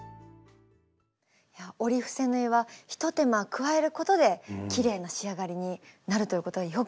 折り伏せ縫いは一手間加えることできれいな仕上がりになるということよく分かりました。